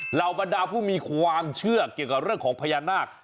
เหล่าบรรดาผู้มีความเชื่อเกี่ยวกับเรื่องของพญานาค